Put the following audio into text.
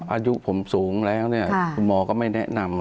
อายุผมสูงแล้วคุณหมอก็ไม่แนะนำ